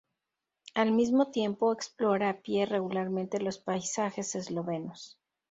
Al mismo tiempo explora a pie regularmente los paisajes eslovenos.